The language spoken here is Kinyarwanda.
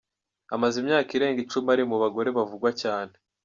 Amaze imyaka irenga icumi ari mu bagore bavugwa cyane.